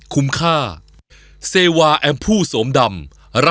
คุณเห็นเหรอว่าใครเป็นคนเอาไป